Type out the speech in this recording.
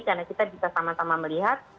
karena kita bisa sama sama melihat